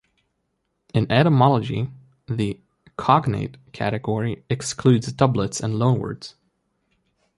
In etymology, the "cognate" category excludes doublets and loanwords.